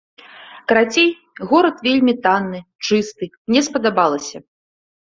Карацей, горад вельмі танны, чысты, мне спадабалася.